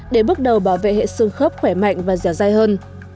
để bước đầu bảo vệ hệ xương khớp khỏe mạnh và dẻo dai hơn